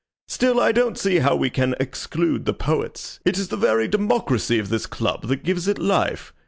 Still, I don't see how we can exclude the poets. It is the very democracy of this club that gives it life.